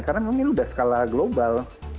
karena memang ini udah skala global